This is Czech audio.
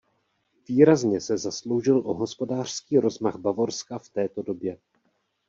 Výrazně se zasloužil o hospodářský rozmach Bavorska v této době.